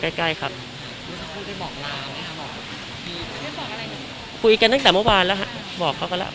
ใกล้ใกล้ครับคุยกันตั้งแต่เมื่อวานแล้วฮะบอกเขาก็แล้ว